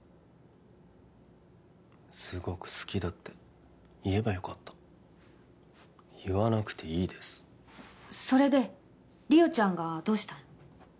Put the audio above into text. すごく好きだって言えばよかった言わなくていいですそれで莉桜ちゃんがどうしたの？